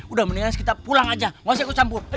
udah mendingan kita pulang aja gak usah aku campur